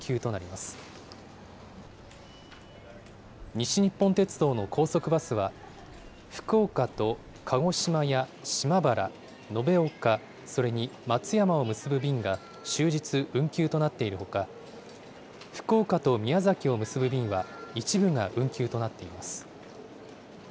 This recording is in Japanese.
西日本鉄道の高速バスは、福岡と鹿児島や島原、延岡、それに松山を結ぶ便が終日運休となっているほか、福岡と宮崎を結ぶ便は一部が運休となっています。